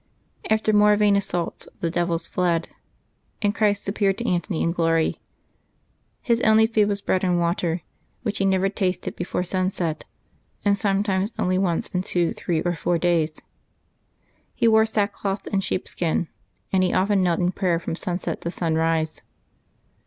After more vain assaults the devils fled, and Christ appeared to Antony in glory. His only food was bread and water, which he never tasted before sunset, and sometimes only once in two, three, or four days. He wore sackcloth and sheepskin, and he often knelt in prayer from sunset to sunrise.